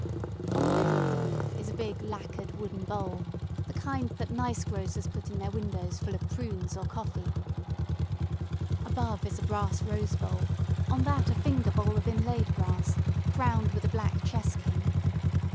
On the middle of the roof is a big lacquered wooden bowl the kind that nice grocers put in their windows full of prunes or coffee. Above is a brass rose bowl, on that a finger bowl of inlaid brass, crowned with a black chess king.